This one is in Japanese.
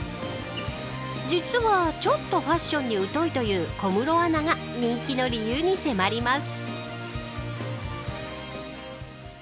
実はちょっとファッションに疎いという小室アナが人気の理由に迫ります。